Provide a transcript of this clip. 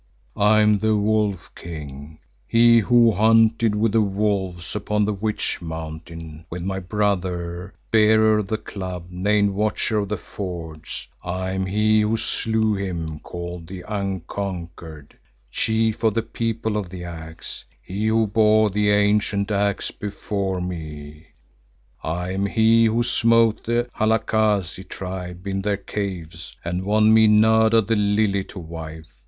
I am the Wolf king, he who hunted with the wolves upon the Witch mountain with my brother, Bearer of the Club named Watcher of the Fords, I am he who slew him called the Unconquered, Chief of the People of the Axe, he who bore the ancient Axe before me; I am he who smote the Halakazi tribe in their caves and won me Nada the Lily to wife.